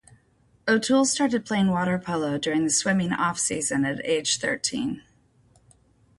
O'Toole started playing water polo during the swimming off-season at age thirteen.